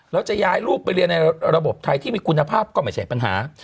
แล้วจะย้ายลูกไปเรียนในระบบไทยที่มีคุณภาพก็ไม่ใช่ปัญหา